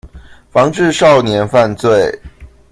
防治少年犯罪